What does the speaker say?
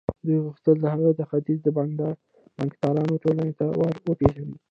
دوی غوښتل هغه د ختيځ د بانکدارانو ټولنې ته ور وپېژني.